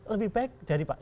lebih baik dari pak